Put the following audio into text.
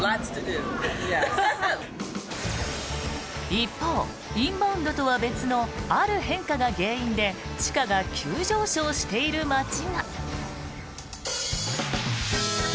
一方、インバウンドとは別のある変化が原因で地価が急上昇している街が。